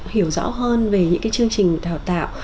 hiểu rõ hơn về những cái chương trình đào tạo